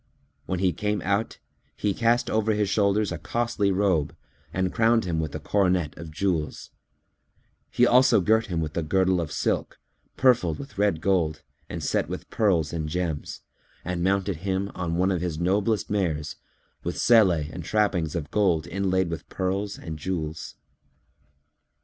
When he came out, he cast over his shoulders a costly robe and crowned him with a coronet of jewels; he also girt him with a girdle of silk, purfled with red gold and set with pearls and gems, and mounted him on one of his noblest mares, with selle and trappings of gold inlaid with pearls and jewels.